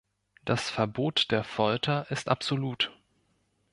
Das Verbot der Folter ist absolut.